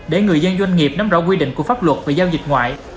để người dân doanh nghiệp nắm rõ quy định của pháp luật về giao dịch ngoại